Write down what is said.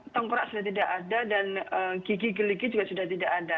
tengkorak sudah tidak ada dan gigi geligi juga sudah tidak ada